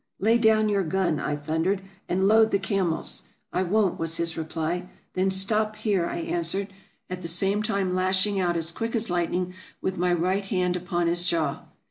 '' Lay down your gun !" I thundered, "and load the camels! "— "I won't !" was his reply. " Then stop here! " I answered; at the same time AFRICA 375 lashing out as quick as lightning with my right hand upon his jaw